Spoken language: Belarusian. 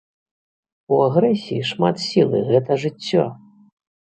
У агрэсіі шмат сілы, гэта жыццё!